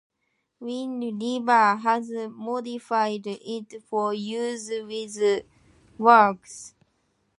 Wind River has modified it for use with VxWorks.